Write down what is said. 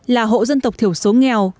là hộ dân tộc thiểu số nghèo